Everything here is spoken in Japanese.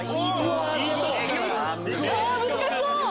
難しそう！